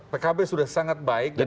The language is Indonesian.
pkb sudah sangat baik dan dalam